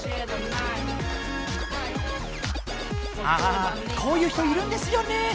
ああこういう人いるんですよね。